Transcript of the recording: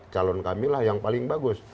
calon kami lah yang paling bagus